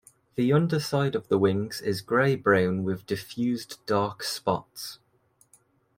The underside of the wings is grey brown with diffused dark spots.